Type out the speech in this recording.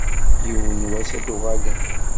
Yiwen n wass ad d-uɣalen.